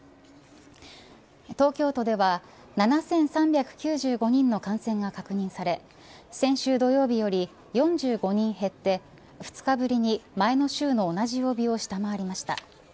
東京都では７３９５人の感染が確認され先週土曜日より４５人減って２日ぶりに前の週の同じ曜日を下回りました。